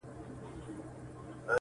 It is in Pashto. سپین لباس د فریشتو یې په تن کړی,